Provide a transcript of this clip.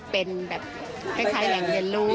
เป็นแบบใครอย่างอย่างรู้